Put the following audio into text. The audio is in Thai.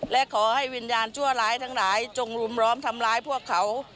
และขอให้วิญญาณชั่วร้ายทั้งหลายจงรุมร้อมทำร้ายพวกเขา